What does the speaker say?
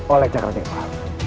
oleh cakra dewa